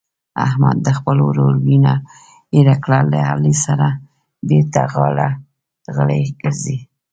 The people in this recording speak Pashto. احمد د خپل ورور وینه هېره کړه له علي سره بېرته غاړه غړۍ ګرځي.